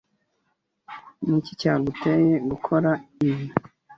Ni iki cyaguteye gukora ibi?